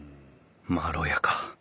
まろやか。